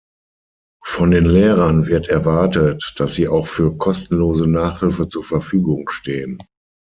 Von den Lehrern wird erwartet, dass sie auch für kostenlose Nachhilfe zur Verfügung stehen.